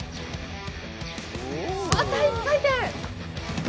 また一回転。